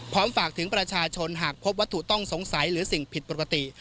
ฝากถึงประชาชนหากพบวัตถุต้องสงสัยหรือสิ่งผิดปกติ